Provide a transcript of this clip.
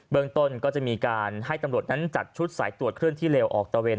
เมืองต้นก็จะมีการให้ตำรวจนั้นจัดชุดสายตรวจเคลื่อนที่เร็วออกตะเวน